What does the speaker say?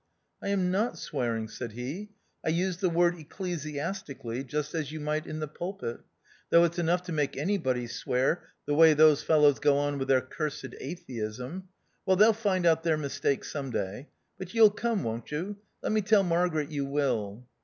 "I am not swearing," said he. ''I use the word ecclesiastically, just as you might in the pulpit ; though it's enough to make anybody swear the way those fellows go on with their cursed atheism. Well, they'll find out their mistake some day. But you'll come, won't you ? Let me tell Mar garet you will."